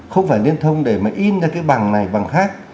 không phải liên thông để mà in ra cái bằng này bằng khác